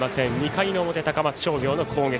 ２回の表、高松商業の攻撃。